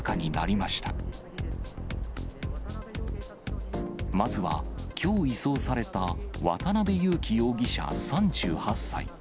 まずは、きょう移送された渡辺優樹容疑者３８歳。